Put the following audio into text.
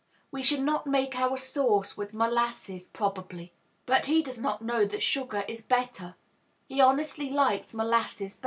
We should not make our sauce with molasses, probably; but he does not know that sugar is better; he honestly likes molasses best.